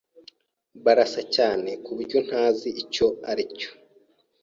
Barasa cyane kuburyo ntazi icyo aricyo.